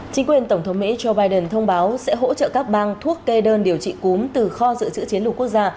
chính quyền tổng thống mỹ joe biden thông báo sẽ hỗ trợ các bang thuốc kê đơn điều trị cúm từ kho dự trữ chiến lược quốc gia